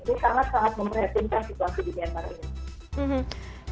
ini sangat sangat memprihatinkan situasi di myanmar ini